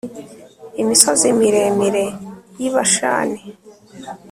imisozi miremire y i Bashani